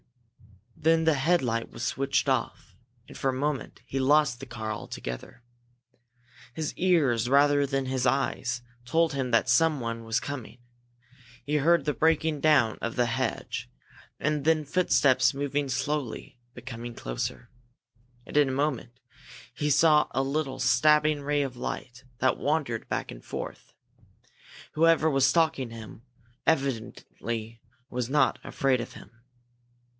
Then the headlight was switched off, and for a moment he lost the car altogether. His ears, rather than his eyes, told him that someone was coming. He heard the breaking down of the hedge, and then footsteps moving slowly, but coming closer. And in a moment he saw a little stabbing ray of light that wandered back and forth. Whoever was stalking him was evidently not afraid of him.